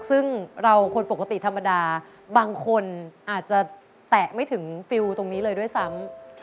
ซึ่งเราคนปกติธรรมดาบางคนอาจจะแตะไม่ถึงฟิลตรงนี้เลยด้วยซ้ำ